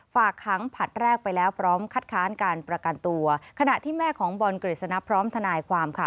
ฝากค้างผลัดแรกไปแล้วพร้อมคัดค้านการประกันตัวขณะที่แม่ของบอลกฤษณะพร้อมทนายความค่ะ